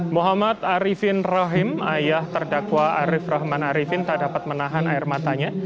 muhammad arifin rahim ayah terdakwa arief rahman arifin tak dapat menahan air matanya